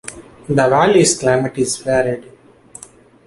The valley's climate is varied.